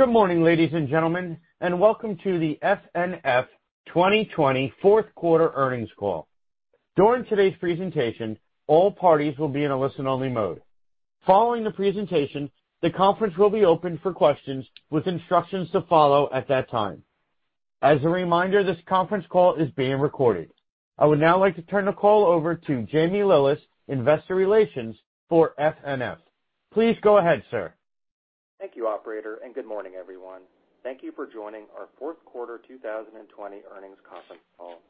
Good morning, ladies and gentlemen, and welcome to the FNF 2020 Fourth Quarter Earnings Call. During today's presentation, all parties will be in a listen-only mode. Following the presentation, the conference will be open for questions with instructions to follow at that time. As a reminder, this conference call is being recorded. I would now like to turn the call over to Jamie Lillis, Investor Relations for FNF. Please go ahead, sir. Thank you, Operator, and good morning, everyone. Thank you for joining our Fourth Quarter 2020 Earnings Conference Call.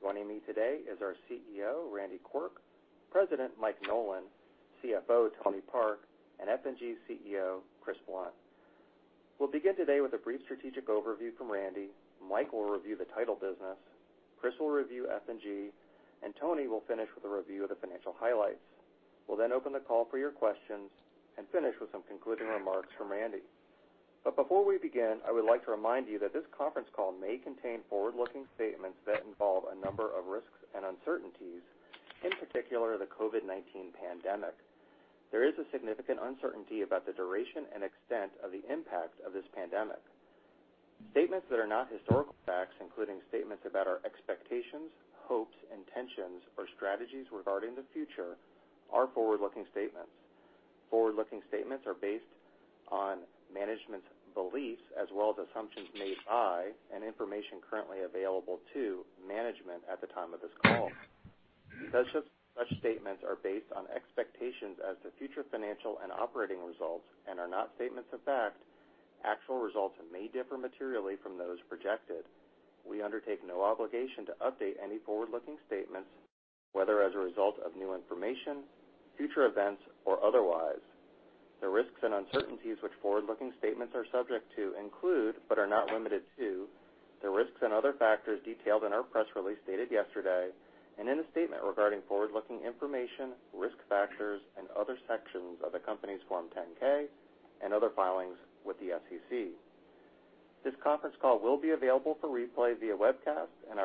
Joining me today is our CEO, Randy Quirk; President, Mike Nolan; CFO, Tony Park; and F&G CEO, Chris Blunt. We'll begin today with a brief strategic overview from Randy. Mike will review the title business; Chris will review F&G; and Tony will finish with a review of the financial highlights. We'll then open the call for your questions and finish with some concluding remarks from Randy. But before we begin, I would like to remind you that this conference call may contain forward-looking statements that involve a number of risks and uncertainties, in particular the COVID-19 pandemic. There is a significant uncertainty about the duration and extent of the impact of this pandemic. Statements that are not historical facts, including statements about our expectations, hopes, intentions, or strategies regarding the future, are forward-looking statements. Forward-looking statements are based on management's beliefs as well as assumptions made by and information currently available to management at the time of this call. Such statements are based on expectations as to future financial and operating results and are not statements of fact. Actual results may differ materially from those projected. We undertake no obligation to update any forward-looking statements, whether as a result of new information, future events, or otherwise. The risks and uncertainties which forward-looking statements are subject to include, but are not limited to, the risks and other factors detailed in our press release dated yesterday and in the statement regarding forward-looking information, risk factors, and other sections of the company's Form 10-K and other filings with the SEC. This conference call will be available for replay via webcast at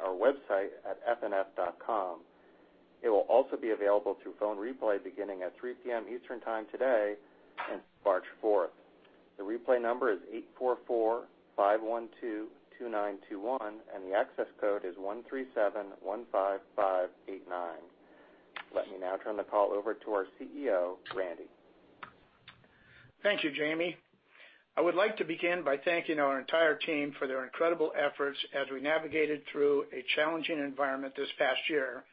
our website at fnf.com. It will also be available through phone replay beginning at 3:00 P.M. Eastern Time today and March 4th. The replay number is 844-512-2921, and the access code is 13715589. Let me now turn the call over to our CEO, Randy. Thank you, Jamie. I would like to begin by thanking our entire team for their incredible efforts as we navigated through a challenging environment this past year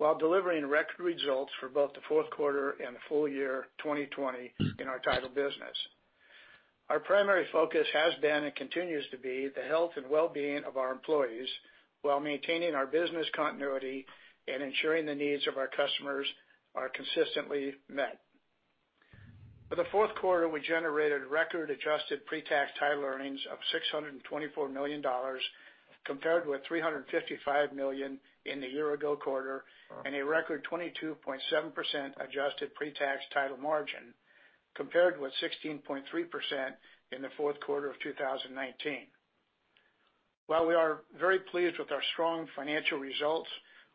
while delivering record results for both the fourth quarter and the full year 2020 in our title business. Our primary focus has been and continues to be the health and well-being of our employees while maintaining our business continuity and ensuring the needs of our customers are consistently met. For the fourth quarter, we generated record-adjusted pre-tax title earnings of $624 million, compared with $355 million in the year-ago quarter and a record 22.7% adjusted pre-tax title margin, compared with 16.3% in the fourth quarter of 2019. While we are very pleased with our strong financial results,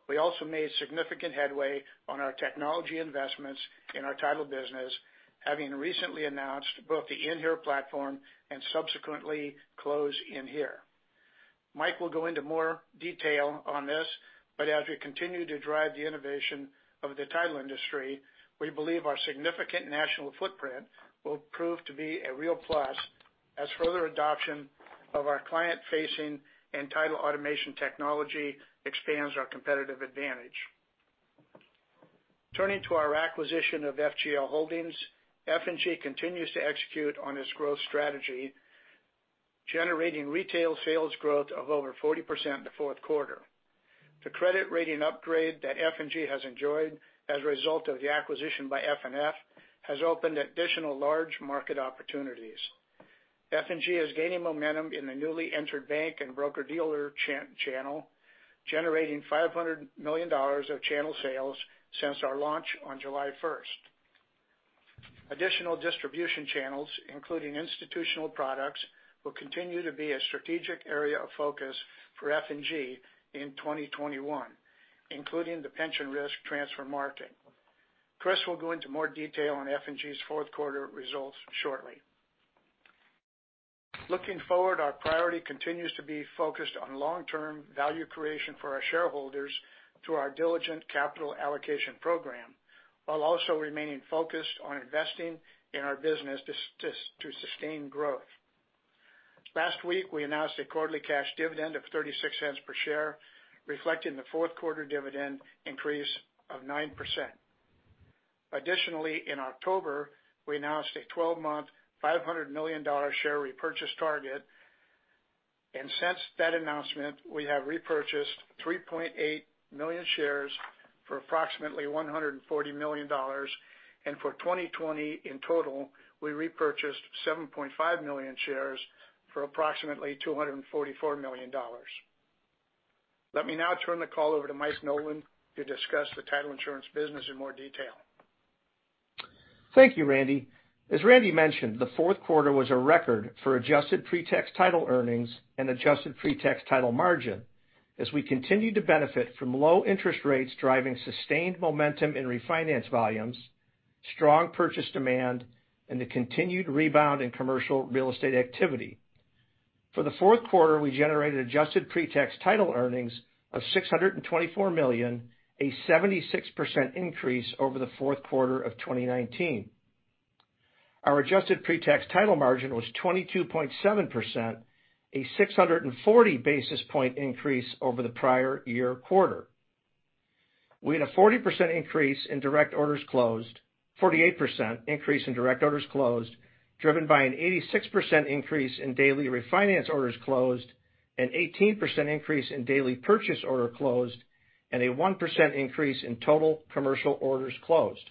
we also made significant headway on our technology investments in our title business, having recently announced both the inHere platform and subsequently closed inHere. Mike will go into more detail on this, but as we continue to drive the innovation of the title industry, we believe our significant national footprint will prove to be a real plus as further adoption of our client-facing and title automation technology expands our competitive advantage. Turning to our acquisition of FGL Holdings, F&G continues to execute on its growth strategy, generating retail sales growth of over 40% in the fourth quarter. The credit rating upgrade that F&G has enjoyed as a result of the acquisition by FNF has opened additional large market opportunities. F&G is gaining momentum in the newly entered bank and broker-dealer channel, generating $500 million of channel sales since our launch on July 1st. Additional distribution channels, including institutional products, will continue to be a strategic area of focus for F&G in 2021, including the pension risk transfer market. Chris will go into more detail on F&G's fourth quarter results shortly. Looking forward, our priority continues to be focused on long-term value creation for our shareholders through our diligent capital allocation program, while also remaining focused on investing in our business to sustain growth. Last week, we announced a quarterly cash dividend of $0.36 per share, reflecting the fourth quarter dividend increase of 9%. Additionally, in October, we announced a 12-month $500 million share repurchase target, and since that announcement, we have repurchased 3.8 million shares for approximately $140 million, and for 2020 in total, we repurchased 7.5 million shares for approximately $244 million. Let me now turn the call over to Mike Nolan to discuss the title insurance business in more detail. Thank you, Randy. As Randy mentioned, the fourth quarter was a record for adjusted pre-tax title earnings and adjusted pre-tax title margin as we continued to benefit from low interest rates driving sustained momentum in refinance volumes, strong purchase demand, and the continued rebound in commercial real estate activity. For the fourth quarter, we generated adjusted pre-tax title earnings of $624 million, a 76% increase over the fourth quarter of 2019. Our adjusted pre-tax title margin was 22.7%, a 640 basis point increase over the prior year quarter. We had a 40% increase in direct orders closed, 48% increase in direct orders closed, driven by an 86% increase in daily refinance orders closed, an 18% increase in daily purchase orders closed, and a 1% increase in total commercial orders closed.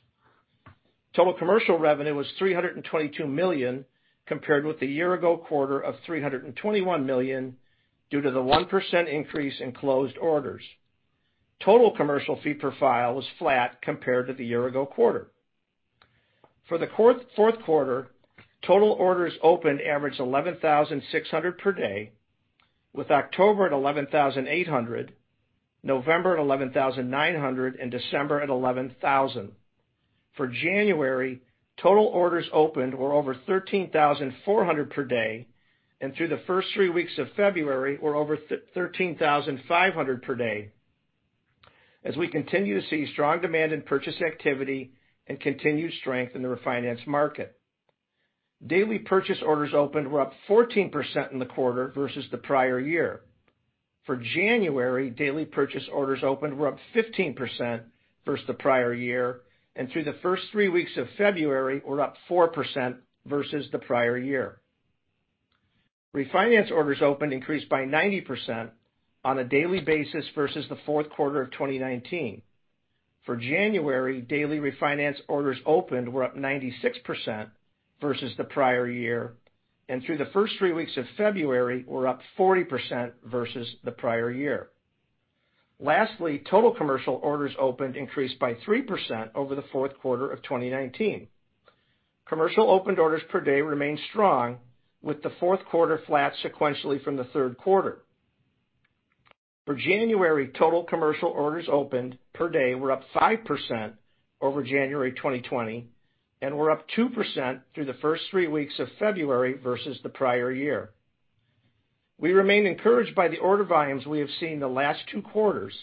Total commercial revenue was $322 million, compared with the year-ago quarter of $321 million due to the 1% increase in closed orders. Total commercial fee per file was flat compared to the year-ago quarter. For the fourth quarter, total orders opened averaged $11,600 per day, with October at $11,800, November at $11,900, and December at $11,000. For January, total orders opened were over $13,400 per day, and through the first three weeks of February, were over $13,500 per day, as we continue to see strong demand and purchase activity and continued strength in the refinance market. Daily purchase orders opened were up 14% in the quarter versus the prior year. For January, daily purchase orders opened were up 15% versus the prior year, and through the first three weeks of February, were up 4% versus the prior year. Refinance orders opened increased by 90% on a daily basis versus the fourth quarter of 2019. For January, daily refinance orders opened were up 96% versus the prior year, and through the first three weeks of February, were up 40% versus the prior year. Lastly, total commercial orders opened increased by 3% over the fourth quarter of 2019. Commercial opened orders per day remained strong, with the fourth quarter flat sequentially from the third quarter. For January, total commercial orders opened per day were up 5% over January 2020 and were up 2% through the first three weeks of February versus the prior year. We remain encouraged by the order volumes we have seen the last two quarters,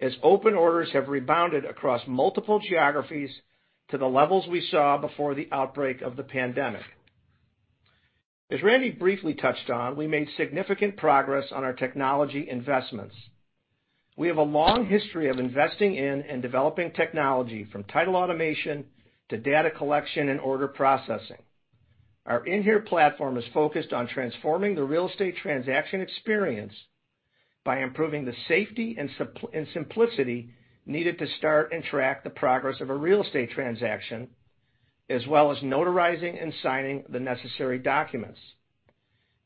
as open orders have rebounded across multiple geographies to the levels we saw before the outbreak of the pandemic. As Randy briefly touched on, we made significant progress on our technology investments. We have a long history of investing in and developing technology from title automation to data collection and order processing. Our inHere platform is focused on transforming the real estate transaction experience by improving the safety and simplicity needed to start and track the progress of a real estate transaction, as well as notarizing and signing the necessary documents.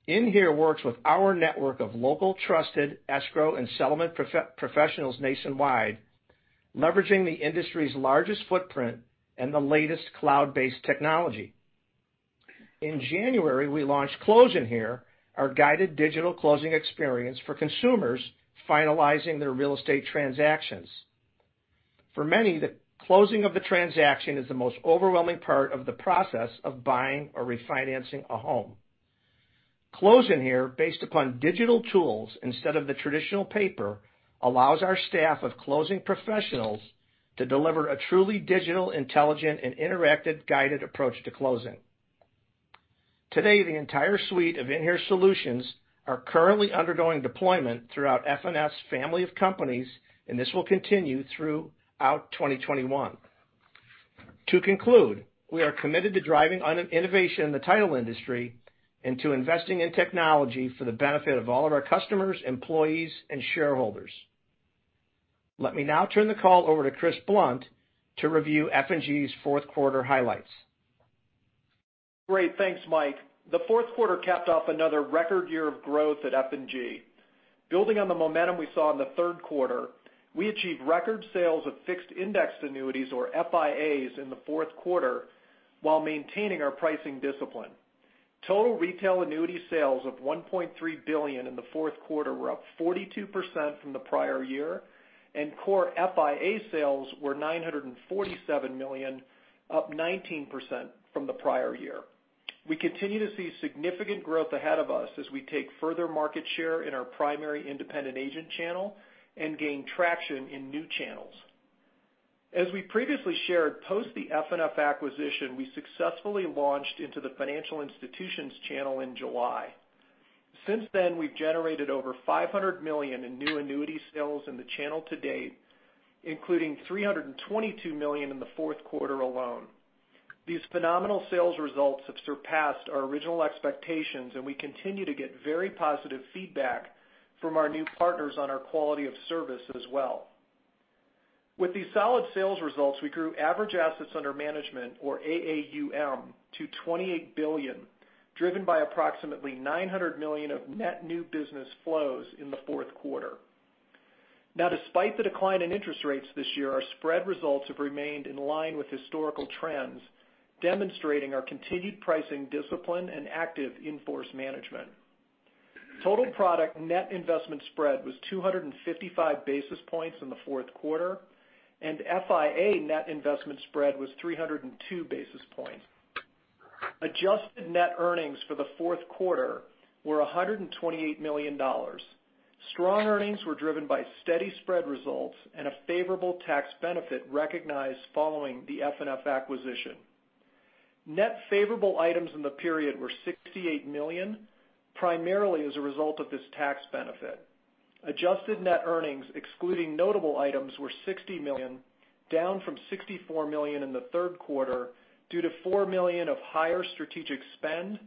inHere works with our network of local, trusted escrow and settlement professionals nationwide, leveraging the industry's largest footprint and the latest cloud-based technology. In January, we launched closed inHere, our guided digital closing experience for consumers finalizing their real estate transactions. For many, the closing of the transaction is the most overwhelming part of the process of buying or refinancing a home. closed inHere, based upon digital tools instead of the traditional paper, allows our staff of closing professionals to deliver a truly digital, intelligent, and interactive guided approach to closing. Today, the entire suite of inHere solutions are currently undergoing deployment throughout FNF's family of companies, and this will continue throughout 2021. To conclude, we are committed to driving innovation in the title industry and to investing in technology for the benefit of all of our customers, employees, and shareholders. Let me now turn the call over to Chris Blunt to review F&G's fourth quarter highlights. Great. Thanks, Mike. The fourth quarter capped off another record year of growth at F&G. Building on the momentum we saw in the third quarter, we achieved record sales of fixed indexed annuities, or FIAs, in the fourth quarter while maintaining our pricing discipline. Total retail annuity sales of $1.3 billion in the fourth quarter were up 42% from the prior year, and core FIA sales were $947 million, up 19% from the prior year. We continue to see significant growth ahead of us as we take further market share in our primary independent agent channel and gain traction in new channels. As we previously shared, post the FNF acquisition, we successfully launched into the financial institutions channel in July. Since then, we've generated over $500 million in new annuity sales in the channel to date, including $322 million in the fourth quarter alone. These phenomenal sales results have surpassed our original expectations, and we continue to get very positive feedback from our new partners on our quality of service as well. With these solid sales results, we grew average assets under management, or AAUM, to $28 billion, driven by approximately $900 million of net new business flows in the fourth quarter. Now, despite the decline in interest rates this year, our spread results have remained in line with historical trends, demonstrating our continued pricing discipline and active asset management. Total product net investment spread was 255 basis points in the fourth quarter, and FIA net investment spread was 302 basis points. Adjusted net earnings for the fourth quarter were $128 million. Strong earnings were driven by steady spread results and a favorable tax benefit recognized following the FNF acquisition. Net favorable items in the period were $68 million, primarily as a result of this tax benefit. Adjusted net earnings, excluding notable items, were $60 million, down from $64 million in the third quarter due to $4 million of higher strategic spend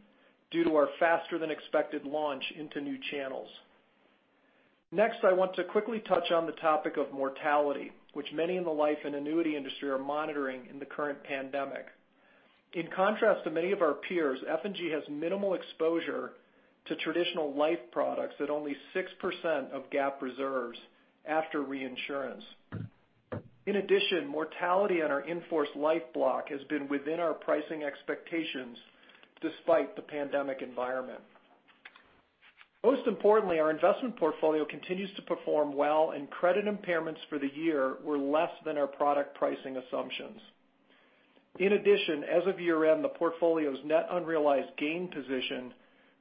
due to our faster-than-expected launch into new channels. Next, I want to quickly touch on the topic of mortality, which many in the life and annuity industry are monitoring in the current pandemic. In contrast to many of our peers, F&G has minimal exposure to traditional life products at only 6% of GAAP reserves after reinsurance. In addition, mortality on our in-force life block has been within our pricing expectations despite the pandemic environment. Most importantly, our investment portfolio continues to perform well, and credit impairments for the year were less than our product pricing assumptions. In addition, as of year-end, the portfolio's net unrealized gain position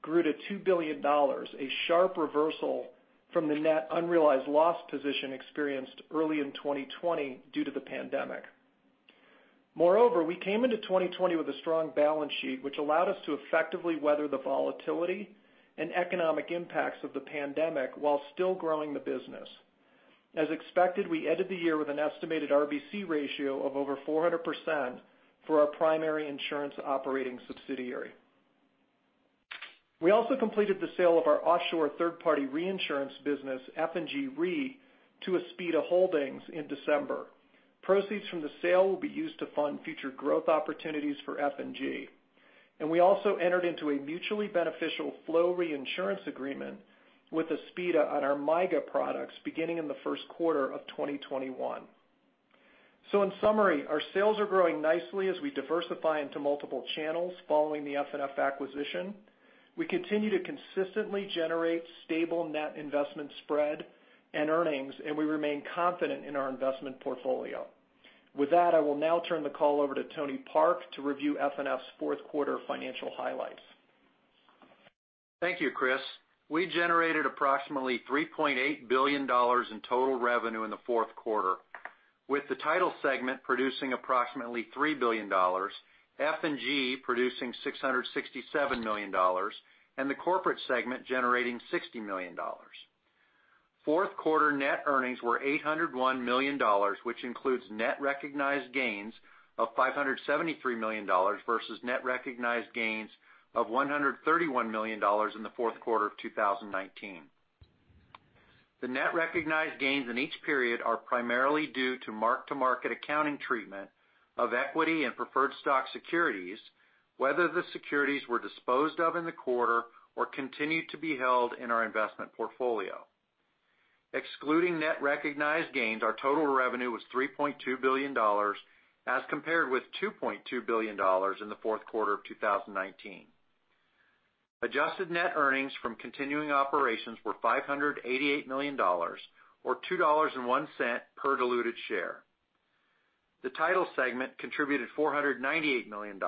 grew to $2 billion, a sharp reversal from the net unrealized loss position experienced early in 2020 due to the pandemic. Moreover, we came into 2020 with a strong balance sheet, which allowed us to effectively weather the volatility and economic impacts of the pandemic while still growing the business. As expected, we ended the year with an estimated RBC ratio of over 400% for our primary insurance operating subsidiary. We also completed the sale of our offshore third-party reinsurance business, F&G Re, to Aspida Holdings in December. Proceeds from the sale will be used to fund future growth opportunities for F&G, and we also entered into a mutually beneficial flow reinsurance agreement with Aspida on our MYGA products beginning in the first quarter of 2021. In summary, our sales are growing nicely as we diversify into multiple channels following the FNF acquisition. We continue to consistently generate stable net investment spread and earnings, and we remain confident in our investment portfolio. With that, I will now turn the call over to Tony Park to review FNF's fourth quarter financial highlights. Thank you, Chris. We generated approximately $3.8 billion in total revenue in the fourth quarter, with the title segment producing approximately $3 billion, F&G producing $667 million, and the corporate segment generating $60 million. Fourth quarter net earnings were $801 million, which includes net recognized gains of $573 million versus net recognized gains of $131 million in the fourth quarter of 2019. The net recognized gains in each period are primarily due to mark-to-market accounting treatment of equity and preferred stock securities, whether the securities were disposed of in the quarter or continued to be held in our investment portfolio. Excluding net recognized gains, our total revenue was $3.2 billion, as compared with $2.2 billion in the fourth quarter of 2019. Adjusted net earnings from continuing operations were $588 million, or $2.01 per diluted share. The title segment contributed $498 million,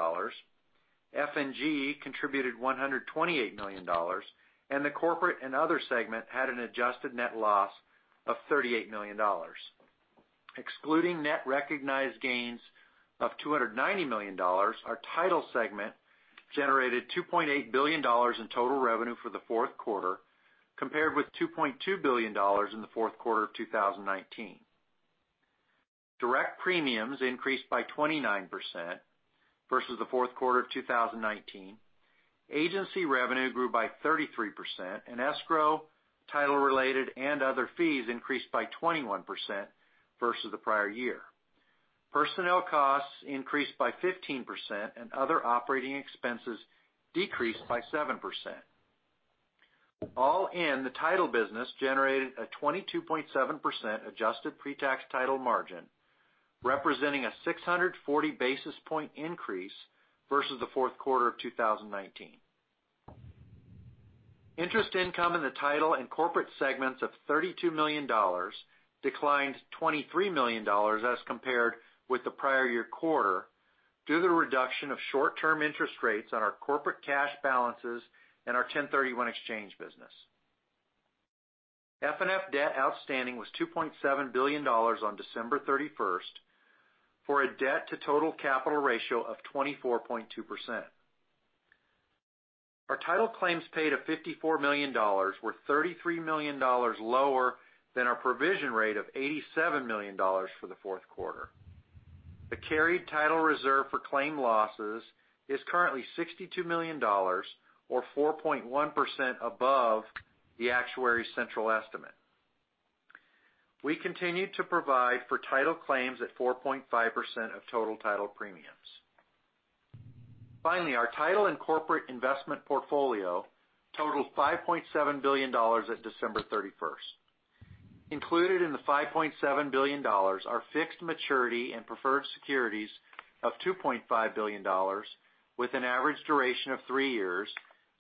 F&G contributed $128 million, and the corporate and other segment had an adjusted net loss of $38 million. Excluding net recognized gains of $290 million, our title segment generated $2.8 billion in total revenue for the fourth quarter, compared with $2.2 billion in the fourth quarter of 2019. Direct premiums increased by 29% versus the fourth quarter of 2019. Agency revenue grew by 33%, and escrow, title-related, and other fees increased by 21% versus the prior year. Personnel costs increased by 15%, and other operating expenses decreased by 7%. All in, the title business generated a 22.7% adjusted pre-tax title margin, representing a 640 basis points increase versus the fourth quarter of 2019. Interest income in the title and corporate segments of $32 million declined $23 million as compared with the prior year quarter due to the reduction of short-term interest rates on our corporate cash balances and our 1031 exchange business. FNF debt outstanding was $2.7 billion on December 31st for a debt-to-total capital ratio of 24.2%. Our title claims paid of $54 million were $33 million lower than our provision rate of $87 million for the fourth quarter. The carried title reserve for claim losses is currently $62 million, or 4.1% above the actuary's central estimate. We continue to provide for title claims at 4.5% of total title premiums. Finally, our title and corporate investment portfolio totaled $5.7 billion at December 31st. Included in the $5.7 billion are fixed maturity and preferred securities of $2.5 billion, with an average duration of three years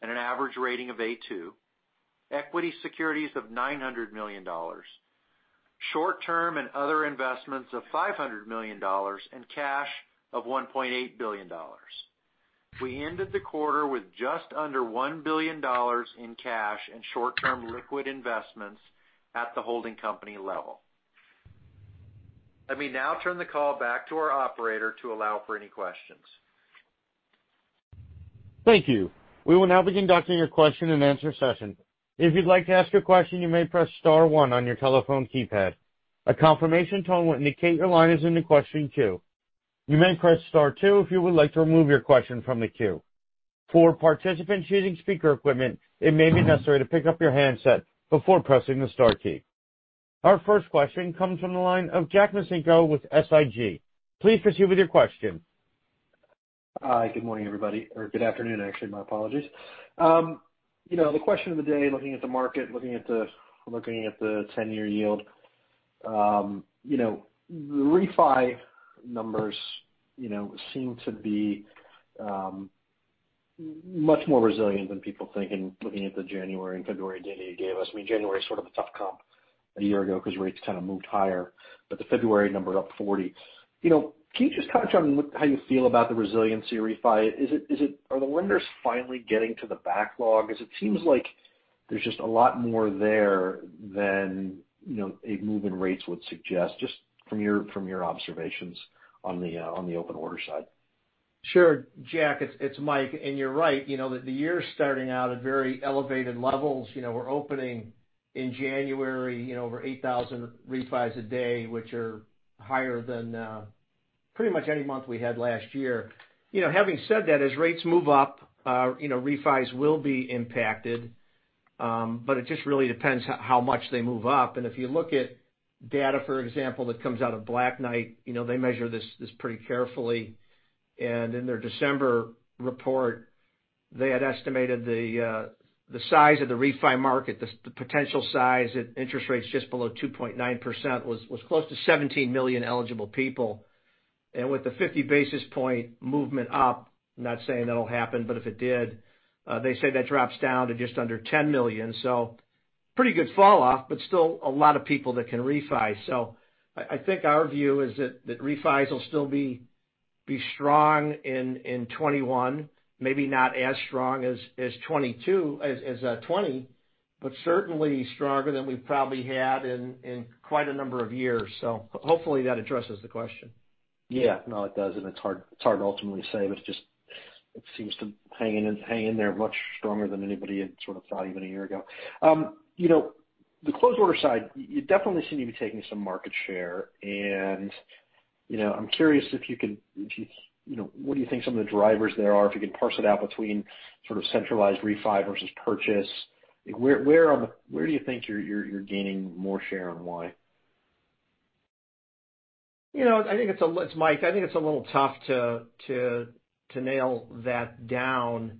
and an average rating of A2, equity securities of $900 million, short-term and other investments of $500 million, and cash of $1.8 billion. We ended the quarter with just under $1 billion in cash and short-term liquid investments at the holding company level. Let me now turn the call back to our operator to allow for any questions. Thank you. We will now begin documenting your question and answer session. If you'd like to ask a question, you may press Star 1 on your telephone keypad. A confirmation tone will indicate your line is in the question queue. You may press Star 2 if you would like to remove your question from the queue. For participants using speaker equipment, it may be necessary to pick up your handset before pressing the Star key. Our first question comes from the line of Jack Micenko with SIG. Please proceed with your question. Hi. Good morning, everybody. Or good afternoon, actually. My apologies. The question of the day, looking at the market, looking at the 10-year yield, the refi numbers seem to be much more resilient than people think in looking at the January and February data you gave us. I mean, January was sort of a tough comp a year ago because rates kind of moved higher, but the February number up 40. Can you just touch on how you feel about the resiliency refi? Are the lenders finally getting to the backlog? Because it seems like there's just a lot more there than a move in rates would suggest, just from your observations on the open order side. Sure. Jack, it's Mike. And you're right. The year's starting out at very elevated levels. We're opening in January over 8,000 refis a day, which are higher than pretty much any month we had last year. Having said that, as rates move up, refis will be impacted, but it just really depends how much they move up. And if you look at data, for example, that comes out of Black Knight, they measure this pretty carefully. And in their December report, they had estimated the size of the refi market, the potential size at interest rates just below 2.9%, was close to 17 million eligible people. And with the 50 basis points movement up, I'm not saying that'll happen, but if it did, they say that drops down to just under 10 million. So pretty good falloff, but still a lot of people that can refi. So I think our view is that refis will still be strong in 2021, maybe not as strong as 2022 as 2020, but certainly stronger than we've probably had in quite a number of years. So hopefully that addresses the question. Yeah. No, it does. And it's hard to ultimately say, but it seems to hang in there much stronger than anybody had sort of thought even a year ago. The closed order side, you definitely seem to be taking some market share. And I'm curious if you could - what do you think some of the drivers there are if you can parse it out between sort of centralized refi versus purchase? Where do you think you're gaining more share and why? You know, i think, it's Mike, I think it's a little tough to nail that down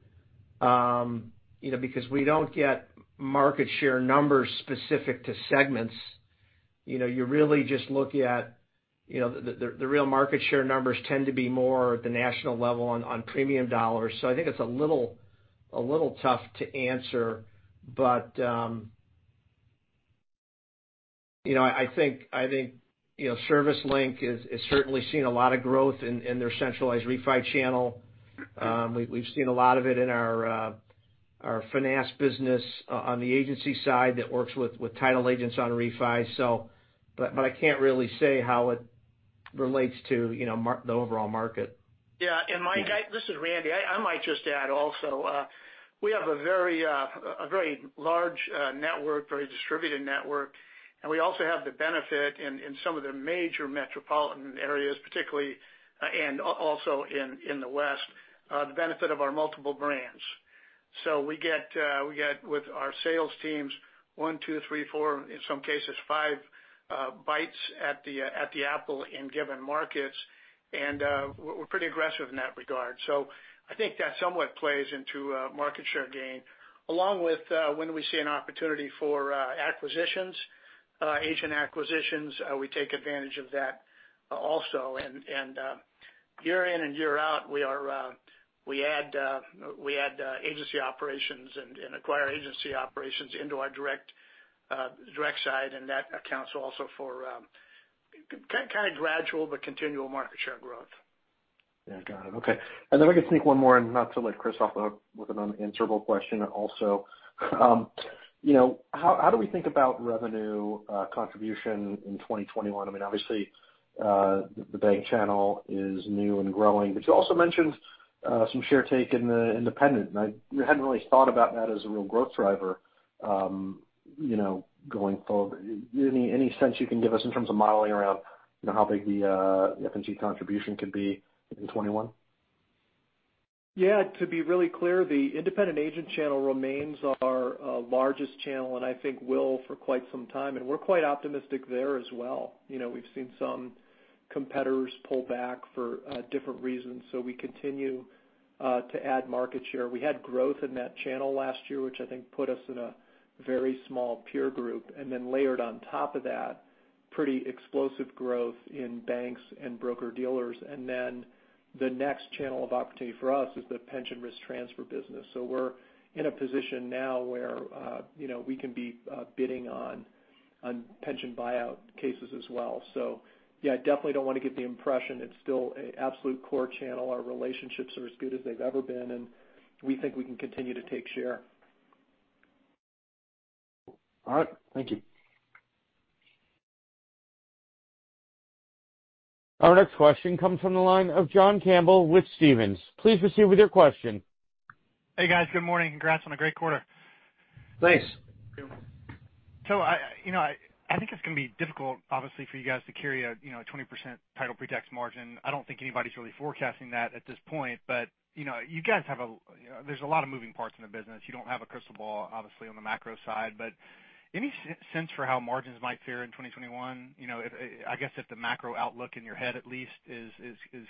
because we don't get market share numbers specific to segments. You really just look at the real market share numbers tend to be more at the national level on premium dollars. So I think it's a little tough to answer, but I think ServiceLink has certainly seen a lot of growth in their centralized refi channel. We've seen a lot of it in our finance business on the agency side that works with title agents on refi. But I can't really say how it relates to the overall market. Yeah. And Mike, this is Randy. I might just add also, we have a very large network, very distributed network, and we also have the benefit in some of the major metropolitan areas, particularly and also in the west, the benefit of our multiple brands. So we get, with our sales teams, one, two, three, four, in some cases, five bites at the apple in given markets, and we're pretty aggressive in that regard. So I think that somewhat plays into market share gain, along with when we see an opportunity for acquisitions, agent acquisitions, we take advantage of that also. And year in and year out, we add agency operations and acquire agency operations into our direct side, and that accounts also for kind of gradual but continual market share growth. Yeah. Got it. Okay. And then I guess I think one more and not to let Chris off the hook with an unanswerable question, but also, how do we think about revenue contribution in 2021? I mean, obviously, the bank channel is new and growing, but you also mentioned some share take in the independent, and I hadn't really thought about that as a real growth driver going forward. Any sense you can give us in terms of modeling around how big the F&G contribution could be in 2021? Yeah. To be really clear, the independent agent channel remains our largest channel, and I think will for quite some time. And we're quite optimistic there as well. We've seen some competitors pull back for different reasons, so we continue to add market share. We had growth in that channel last year, which I think put us in a very small peer group, and then layered on top of that, pretty explosive growth in banks and broker-dealers. And then the next channel of opportunity for us is the pension risk transfer business. So we're in a position now where we can be bidding on pension buyout cases as well. So yeah, I definitely don't want to give the impression it's still an absolute core channel. Our relationships are as good as they've ever been, and we think we can continue to take share. All right. Thank you. Our next question comes from the line of John Campbell with Stephens. Please proceed with your question. Hey, guys. Good morning. Congrats on a great quarter. Thanks. I think it's going to be difficult, obviously, for you guys to carry a 20% pre-tax title margin. I don't think anybody's really forecasting that at this point, but you guys have a, there's a lot of moving parts in the business. You don't have a crystal ball, obviously, on the macro side, but any sense for how margins might fare in 2021? I guess if the macro outlook in your head at least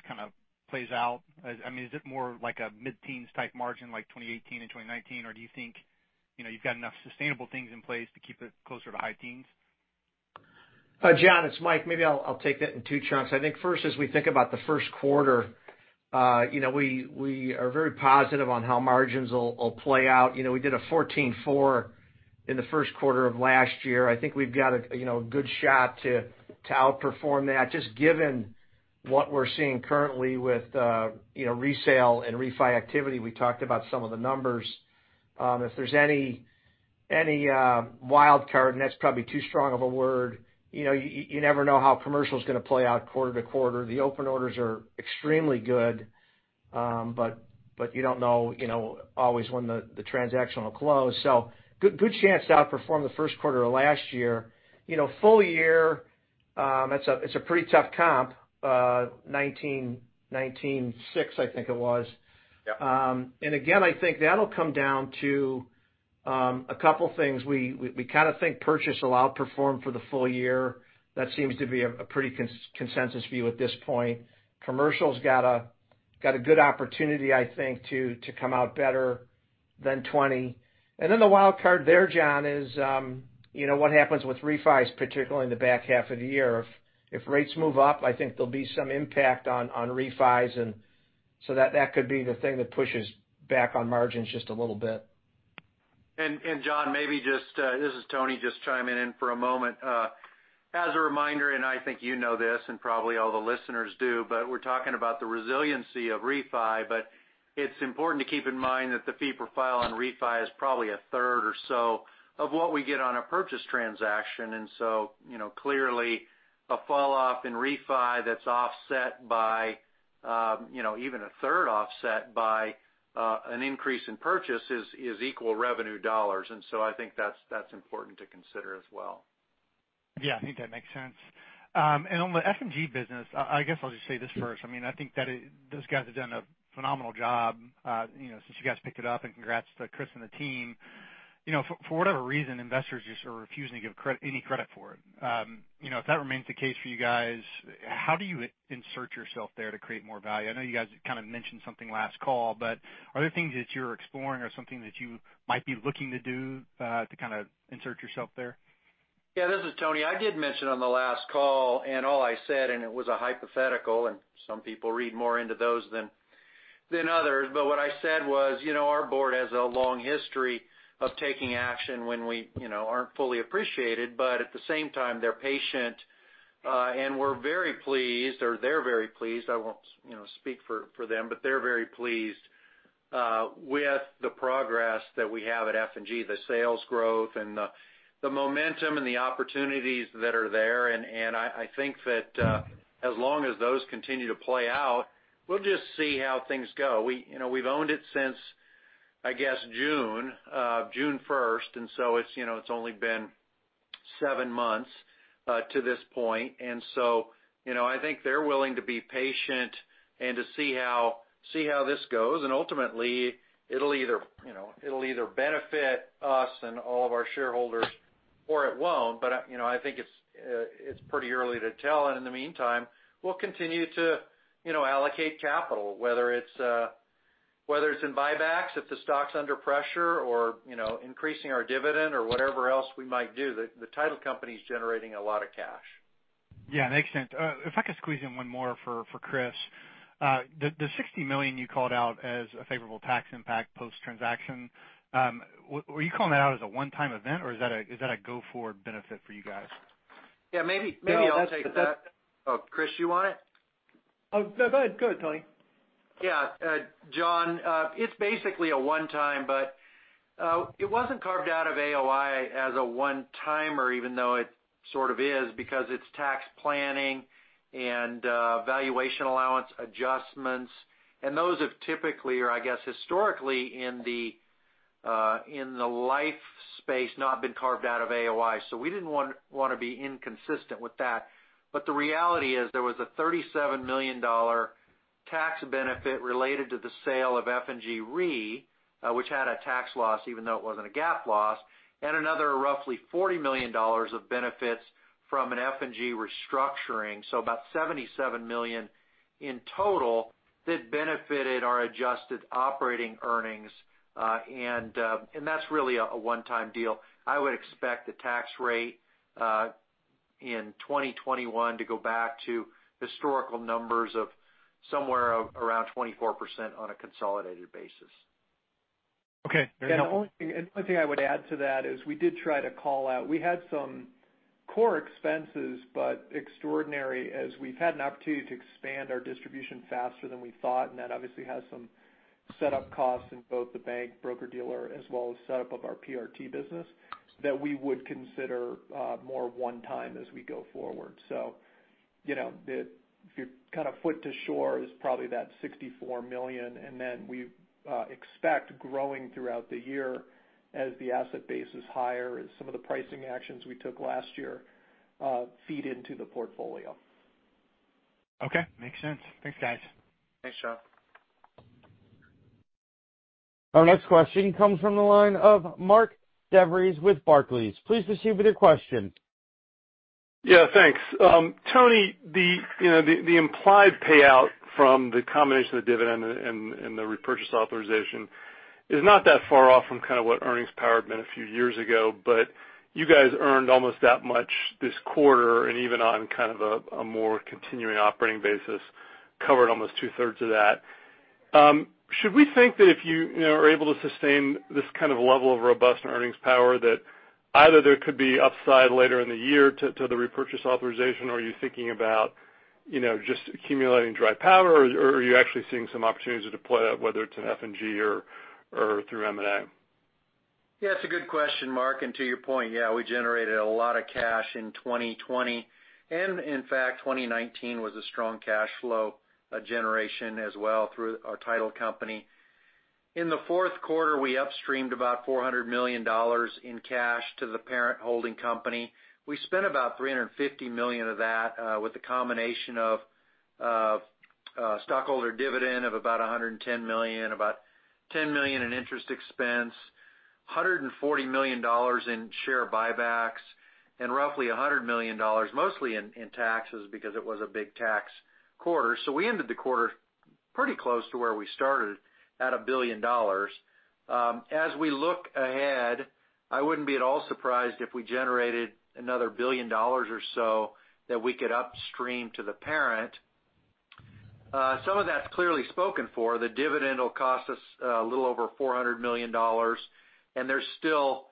kind of plays out, I mean, is it more like a mid-teens type margin like 2018 and 2019, or do you think you've got enough sustainable things in place to keep it closer to high teens? John, it's Mike. Maybe I'll take that in two chunks. I think first, as we think about the first quarter, we are very positive on how margins will play out. We did a 14.4% in the first quarter of last year. I think we've got a good shot to outperform that, just given what we're seeing currently with resale and refi activity. We talked about some of the numbers. If there's any wildcard, and that's probably too strong of a word, you never know how commercial is going to play out quarter to quarter. The open orders are extremely good, but you don't know always when the transaction will close. So good chance to outperform the first quarter of last year. Full year, it's a pretty tough comp, 19.6%, I think it was. And again, I think that'll come down to a couple of things. We kind of think purchase will outperform for the full year. That seems to be a pretty consensus view at this point. Commercial's got a good opportunity, I think, to come out better than 20. And then the wildcard there, John, is what happens with refis, particularly in the back half of the year. If rates move up, I think there'll be some impact on refis, and so that could be the thing that pushes back on margins just a little bit. And John, maybe just, this is Tony just chiming in for a moment. As a reminder, and I think you know this and probably all the listeners do, but we're talking about the resiliency of refi, but it's important to keep in mind that the fee profile on refi is probably a third or so of what we get on a purchase transaction. And so clearly, a falloff in refi that's offset by even a third offset by an increase in purchase is equal revenue dollars. And so I think that's important to consider as well. Yeah. I think that makes sense. And on the F&G business, I guess I'll just say this first. I mean, I think that those guys have done a phenomenal job since you guys picked it up, and congrats to Chris and the team. For whatever reason, investors just are refusing to give any credit for it. If that remains the case for you guys, how do you insert yourself there to create more value? I know you guys kind of mentioned something last call, but are there things that you're exploring or something that you might be looking to do to kind of insert yourself there? Yeah. This is Tony. I did mention on the last call, and all I said, and it was a hypothetical, and some people read more into those than others, but what I said was our board has a long history of taking action when we aren't fully appreciated, but at the same time, they're patient, and we're very pleased, or they're very pleased. I won't speak for them, but they're very pleased with the progress that we have at F&G, the sales growth, and the momentum and the opportunities that are there, and I think that as long as those continue to play out, we'll just see how things go. We've owned it since, I guess, June 1st, and so it's only been seven months to this point, and so I think they're willing to be patient and to see how this goes. Ultimately, it'll either benefit us and all of our shareholders, or it won't. I think it's pretty early to tell. In the meantime, we'll continue to allocate capital, whether it's in buybacks, if the stock's under pressure, or increasing our dividend, or whatever else we might do. The title company's generating a lot of cash. Yeah. Makes sense. If I could squeeze in one more for Chris, the $60 million you called out as a favorable tax impact post-transaction, are you calling that out as a one-time event, or is that a go-forward benefit for you guys? Yeah. Maybe I'll take that. Oh, Chris, you want it? Oh, no. Go ahead. Go ahead, Tony. Yeah. John, it's basically a one-time, but it wasn't carved out of AOI as a one-timer, even though it sort of is, because it's tax planning and valuation allowance adjustments. And those have typically, or I guess historically, in the life space, not been carved out of AOI. So we didn't want to be inconsistent with that. But the reality is there was a $37 million tax benefit related to the sale of F&G Re, which had a tax loss, even though it wasn't a GAAP loss, and another roughly $40 million of benefits from an F&G restructuring, so about $77 million in total that benefited our adjusted operating earnings. And that's really a one-time deal. I would expect the tax rate in 2021 to go back to historical numbers of somewhere around 24% on a consolidated basis. Okay. And one thing I would add to that is we did try to call out we had some core expenses, but extraordinary as we've had an opportunity to expand our distribution faster than we thought. And that obviously has some setup costs in both the bank, broker-dealer, as well as setup of our PRT business that we would consider more one-time as we go forward. So if you're kind of put a floor, it's probably that $64 million. And then we expect growing throughout the year as the asset base is higher, as some of the pricing actions we took last year feed into the portfolio. Okay. Makes sense. Thanks, guys. Thanks, John. Our next question comes from the line of Mark DeVries with Barclays. Please proceed with your question. Yeah. Thanks. Tony, the implied payout from the combination of the dividend and the repurchase authorization is not that far off from kind of what earnings power had been a few years ago, but you guys earned almost that much this quarter, and even on kind of a more continuing operating basis, covered almost two-thirds of that. Should we think that if you are able to sustain this kind of level of robust earnings power, that either there could be upside later in the year to the repurchase authorization, or are you thinking about just accumulating dry powder, or are you actually seeing some opportunities to deploy that, whether it's in F&G or through M&A? Yeah. It's a good question, Mark. And to your point, yeah, we generated a lot of cash in 2020. And in fact, 2019 was a strong cash flow generation as well through our title company. In the fourth quarter, we upstreamed about $400 million in cash to the parent holding company. We spent about $350 million of that with a combination of stockholder dividend of about $110 million, about $10 million in interest expense, $140 million in share buybacks, and roughly $100 million, mostly in taxes because it was a big tax quarter. So we ended the quarter pretty close to where we started at $1 billion. As we look ahead, I wouldn't be at all surprised if we generated another $1 billion or so that we could upstream to the parent. Some of that's clearly spoken for. The dividend will cost us a little over $400 million, and there's still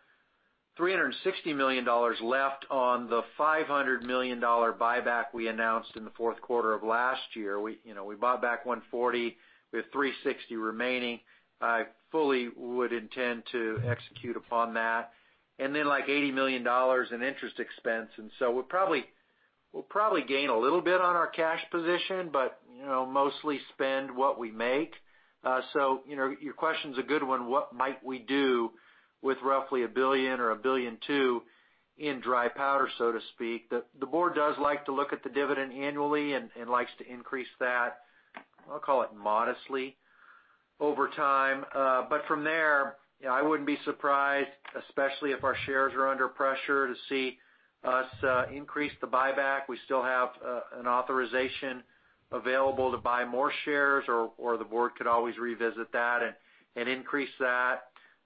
$360 million left on the $500 million buyback we announced in the fourth quarter of last year. We bought back $140 million. We have $360 million remaining. I fully would intend to execute upon that, and then like $80 million in interest expense, and so we'll probably gain a little bit on our cash position, but mostly spend what we make, so your question's a good one. What might we do with roughly $1 billion or $1.2 billion in dry powder, so to speak. The board does like to look at the dividend annually and likes to increase that, I'll call it modestly, over time, but from there, I wouldn't be surprised, especially if our shares are under pressure, to see us increase the buyback. We still have an authorization available to buy more shares, or the board could always revisit that and increase that.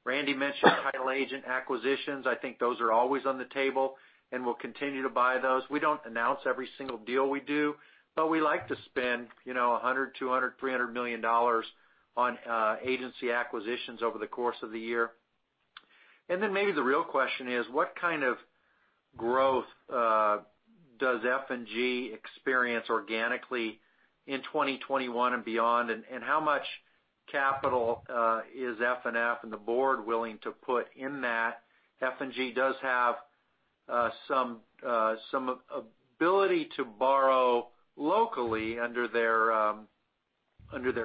Randy mentioned title agent acquisitions. I think those are always on the table and will continue to buy those. We don't announce every single deal we do, but we like to spend $100-$300 million on agency acquisitions over the course of the year. And then maybe the real question is, what kind of growth does F&G experience organically in 2021 and beyond, and how much capital is FNF and the board willing to put in that? F&G does have some ability to borrow locally under their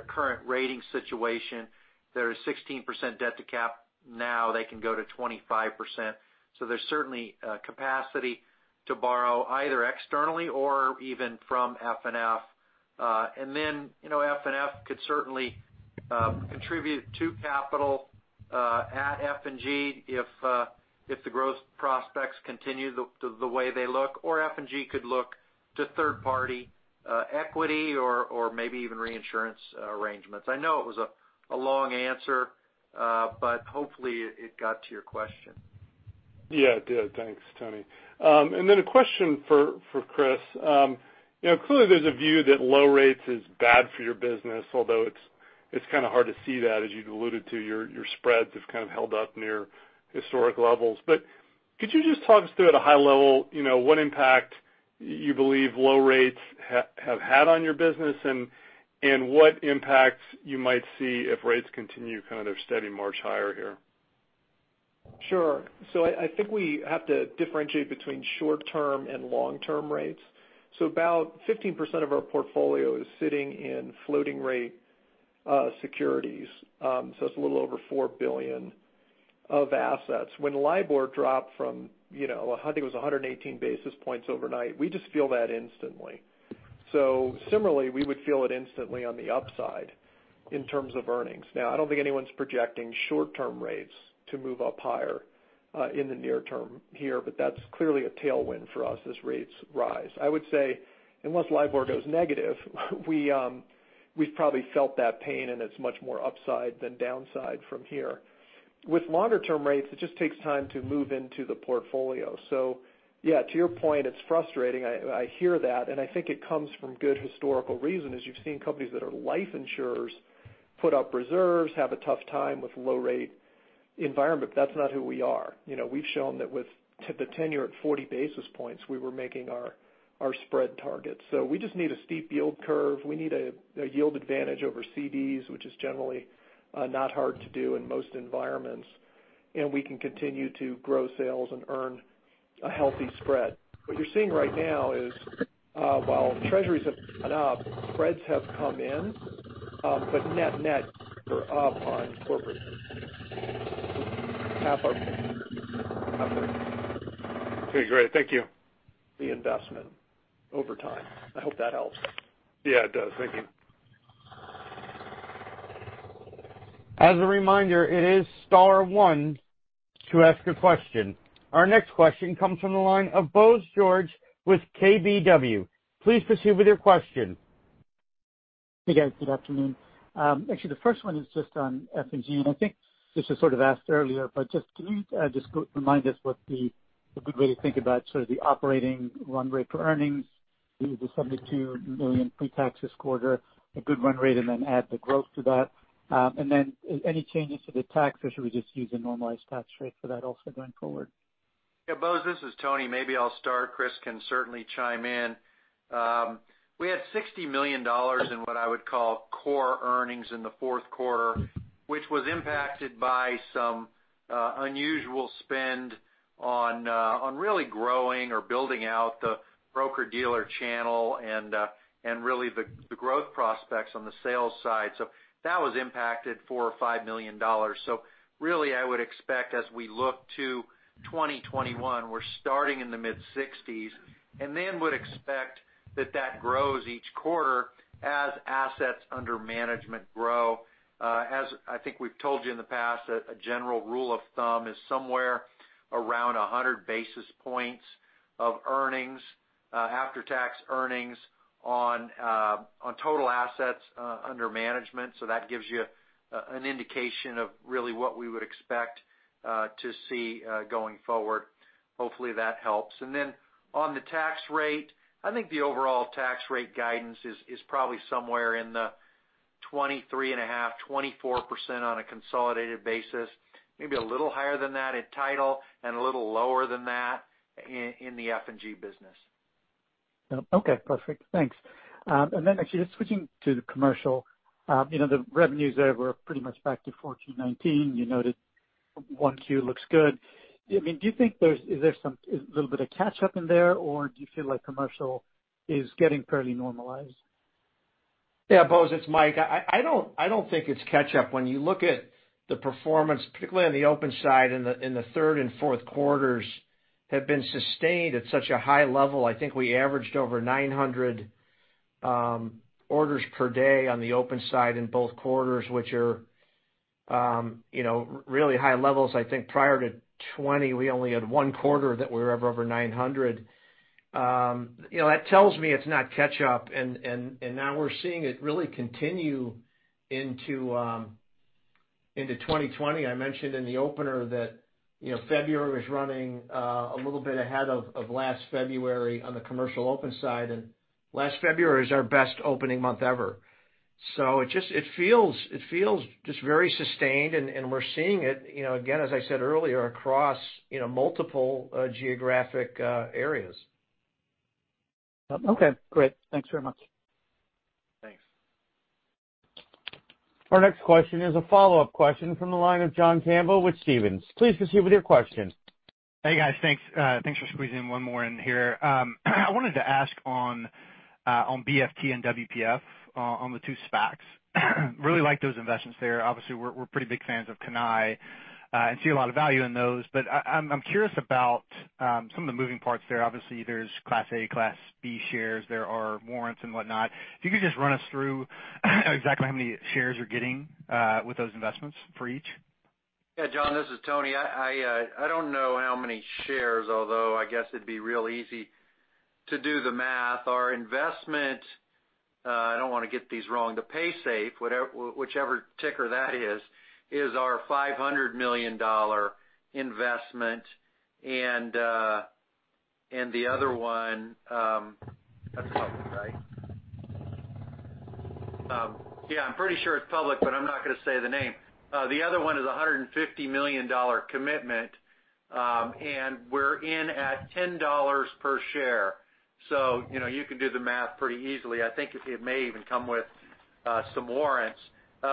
current rating situation. There is 16% debt to cap now. They can go to 25%. So there's certainly capacity to borrow either externally or even from FNF. Then FNF could certainly contribute to capital at F&G if the growth prospects continue the way they look, or F&G could look to third-party equity or maybe even reinsurance arrangements. I know it was a long answer, but hopefully it got to your question. Yeah. It did. Thanks, Tony, and then a question for Chris. Clearly, there's a view that low rates is bad for your business, although it's kind of hard to see that, as you alluded to. Your spreads have kind of held up near historic levels, but could you just talk us through, at a high level, what impact you believe low rates have had on your business and what impacts you might see if rates continue kind of their steady march higher here? Sure. So I think we have to differentiate between short-term and long-term rates. So about 15% of our portfolio is sitting in floating-rate securities. So it's a little over $4 billion of assets. When LIBOR dropped from, I think it was 118 basis points overnight, we just feel that instantly. So similarly, we would feel it instantly on the upside in terms of earnings. Now, I don't think anyone's projecting short-term rates to move up higher in the near term here, but that's clearly a tailwind for us as rates rise. I would say, unless LIBOR goes negative, we've probably felt that pain, and it's much more upside than downside from here. With longer-term rates, it just takes time to move into the portfolio. So yeah, to your point, it's frustrating. I hear that. I think it comes from good historical reason, as you've seen companies that are life insurers put up reserves, have a tough time with low-rate environment. That's not who we are. We've shown that with the ten-year at 40 basis points, we were making our spread targets. We just need a steep yield curve. We need a yield advantage over CDs, which is generally not hard to do in most environments. We can continue to grow sales and earn a healthy spread. What you're seeing right now is, while treasuries have gone up, spreads have come in, but net-net are up on corporate risk. Okay. Great. Thank you. The investment over time. I hope that helps. Yeah. It does. Thank you. As a reminder, it is star one to ask a question. Our next question comes from the line of Bose George with KBW. Please proceed with your question. Hey, guys. Good afternoon. Actually, the first one is just on F&G. I think this was sort of asked earlier, but just can you just remind us what the good way to think about sort of the operating run rate for earnings? Is the $72 million pre-tax this quarter a good run rate, and then add the growth to that? Then any changes to the tax, or should we just use a normalized tax rate for that also going forward? Yeah. Bose, this is Tony. Maybe I'll start. Chris can certainly chime in. We had $60 million in what I would call core earnings in the fourth quarter, which was impacted by some unusual spend on really growing or building out the broker-dealer channel and really the growth prospects on the sales side. So that was impacted by $4 or $5 million. So really, I would expect as we look to 2021, we're starting in the mid-60s, and then would expect that that grows each quarter as assets under management grow. As I think we've told you in the past, a general rule of thumb is somewhere around 100 basis points of earnings, after-tax earnings on total assets under management. So that gives you an indication of really what we would expect to see going forward. Hopefully, that helps. And then on the tax rate, I think the overall tax rate guidance is probably somewhere in the 23.5%-24% on a consolidated basis, maybe a little higher than that in title and a little lower than that in the F&G business. Okay. Perfect. Thanks. And then actually, just switching to the commercial, the revenues there were pretty much back to 14.19. You noted 1Q looks good. I mean, do you think there's a little bit of catch-up in there, or do you feel like commercial is getting fairly normalized? Yeah. Bose, it's Mike. I don't think it's catch-up. When you look at the performance, particularly on the open side, in the third and fourth quarters have been sustained at such a high level. I think we averaged over 900 orders per day on the open side in both quarters, which are really high levels. I think prior to 2020, we only had one quarter that we were ever over 900. That tells me it's not catch-up. And now we're seeing it really continue into 2020. I mentioned in the opener that February was running a little bit ahead of last February on the commercial open side. And last February is our best opening month ever. So it feels just very sustained, and we're seeing it, again, as I said earlier, across multiple geographic areas. Okay. Great. Thanks very much. Thanks. Our next question is a follow-up question from the line of John Campbell with Stephens. Please proceed with your question. Hey, guys. Thanks for squeezing in one more in here. I wanted to ask on BFT and WPF, on the two SPACs. Really like those investments there. Obviously, we're pretty big fans of Cannae and see a lot of value in those. But I'm curious about some of the moving parts there. Obviously, there's Class A, Class B shares. There are warrants and whatnot. If you could just run us through exactly how many shares you're getting with those investments for each? Yeah. John, this is Tony. I don't know how many shares, although I guess it'd be real easy to do the math. Our investment—I don't want to get these wrong—the Paysafe, whichever ticker that is, is our $500 million investment. And the other one—that's public, right? Yeah. I'm pretty sure it's public, but I'm not going to say the name. The other one is a $150 million commitment, and we're in at $10 per share. So you can do the math pretty easily. I think it may even come with some warrants.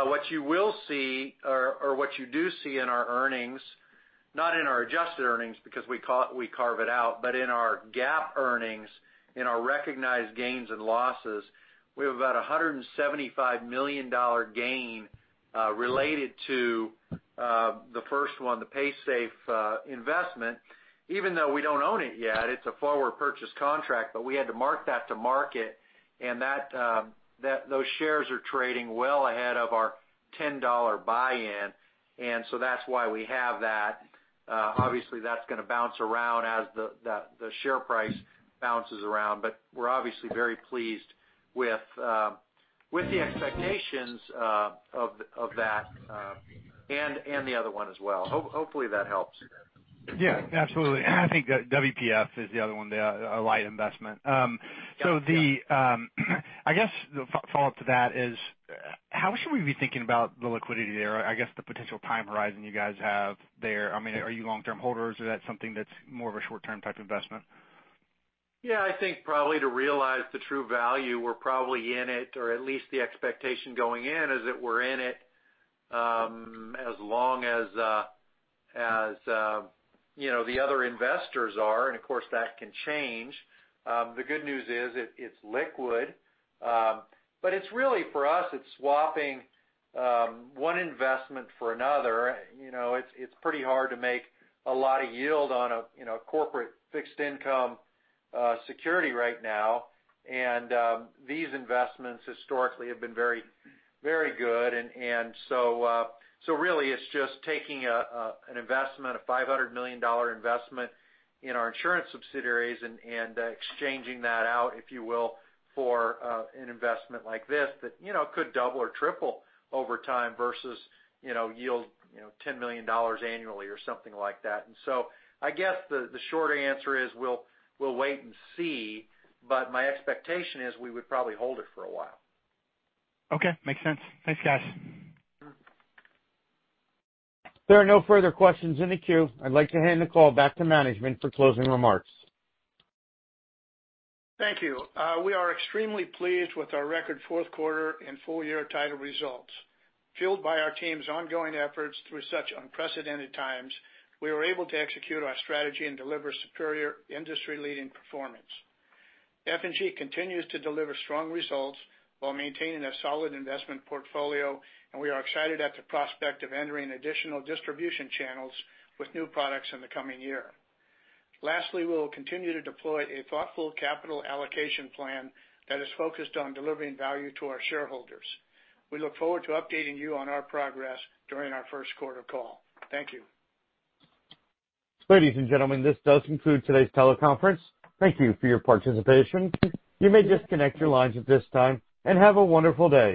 What you will see, or what you do see in our earnings—not in our adjusted earnings because we carve it out—but in our GAAP earnings, in our recognized gains and losses, we have about a $175 million gain related to the first one, the Paysafe investment. Even though we don't own it yet, it's a forward purchase contract, but we had to mark that to market. And those shares are trading well ahead of our $10 buy-in. And so that's why we have that. Obviously, that's going to bounce around as the share price bounces around. But we're obviously very pleased with the expectations of that and the other one as well. Hopefully, that helps. Yeah. Absolutely. I think WPF is the other one, the Alight. So I guess the follow-up to that is, how should we be thinking about the liquidity there, I guess, the potential time horizon you guys have there? I mean, are you long-term holders? Is that something that's more of a short-term type investment? Yeah. I think probably to realize the true value, we're probably in it, or at least the expectation going in is that we're in it as long as the other investors are. Of course, that can change. The good news is it's liquid. But it's really, for us, it's swapping one investment for another. It's pretty hard to make a lot of yield on a corporate fixed-income security right now. These investments historically have been very good. Really, it's just taking an investment, a $500 million investment in our insurance subsidiaries and exchanging that out, if you will, for an investment like this that could double or triple over time versus yield $10 million annually or something like that. I guess the short answer is we'll wait and see. My expectation is we would probably hold it for a while. Okay. Makes sense. Thanks, guys. There are no further questions in the queue. I'd like to hand the call back to management for closing remarks. Thank you. We are extremely pleased with our record fourth quarter and full-year title results. Fueled by our team's ongoing efforts through such unprecedented times, we were able to execute our strategy and deliver superior industry-leading performance. F&G continues to deliver strong results while maintaining a solid investment portfolio, and we are excited at the prospect of entering additional distribution channels with new products in the coming year. Lastly, we will continue to deploy a thoughtful capital allocation plan that is focused on delivering value to our shareholders. We look forward to updating you on our progress during our first quarter call. Thank you. Ladies and gentlemen, this does conclude today's teleconference. Thank you for your participation. You may disconnect your lines at this time and have a wonderful day.